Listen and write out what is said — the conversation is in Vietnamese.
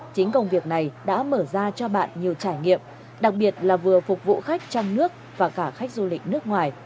chính công việc này đã mở ra cho bạn nhiều trải nghiệm đặc biệt là vừa phục vụ khách trong nước và cả khách du lịch nước ngoài